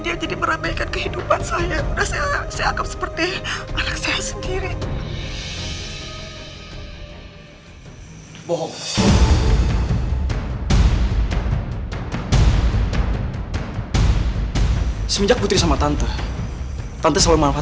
dan selalu dikejar dosa